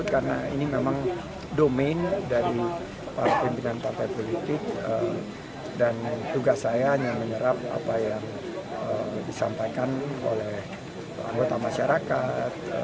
karena ini memang domain dari pimpinan partai politik dan tugas saya hanya menyerap apa yang disampaikan oleh anggota masyarakat